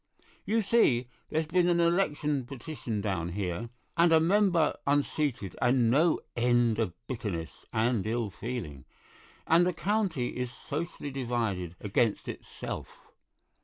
"You see, there's been an election petition down here, and a member unseated and no end of bitterness and ill feeling, and the County is socially divided against itself.